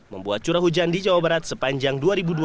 membuat curah hujan di jawa barat sepanjang dua ribu dua puluh